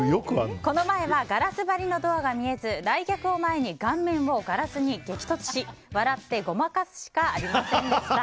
この前はガラス張りのドアが見えず来客を前に顔面をガラスに激突し笑ってごまかすしかありませんでした。